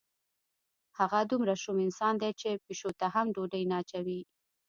هغه دومره شوم انسان دی چې پیشو ته هم ډوډۍ نه اچوي.